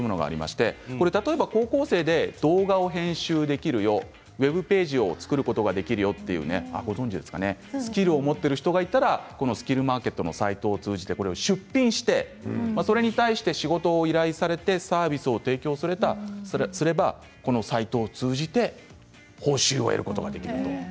例えば高校生で動画編集できるよウェブページを作れるよというスキルを持っている人がいたらそのスキルマーケットのサイトを通じて出品してそれに対して仕事を依頼されてサービスを提供すればサービスを通じて報酬を得ることができるんです。